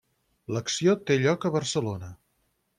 L'acció té lloc a Barcelona.